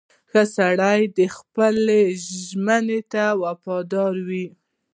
• ښه سړی د خپلې ژمنې وفادار وي.